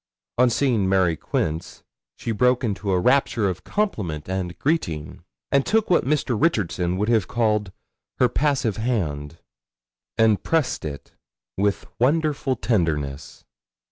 On seeing Mary Quince she broke into a rapture of compliment and greeting, and took what Mr. Richardson would have called her passive hand, and pressed it with wonderful tenderness.